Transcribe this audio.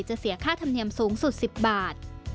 เสียค่าธรรมเนียมสูงสุด๑๐บาท